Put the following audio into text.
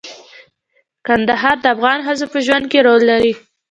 کندهار د افغان ښځو په ژوند کې رول لري.